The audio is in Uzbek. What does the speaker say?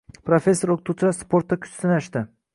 Professor-o‘qituvchilar sportda kuch sinashdi